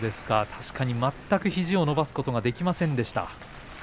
全く肘を伸ばすことができませんでした。